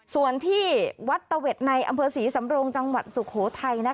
ส่วนที่วัดตะเว็ดในอำเภอศรีสำรงจังหวัดสุโขทัย